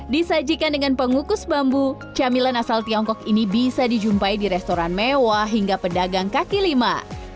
disajikan dengan pengukus bambu camilan asal tiongkok ini bisa dijumpai di restoran mewah hingga pedagang kaki lima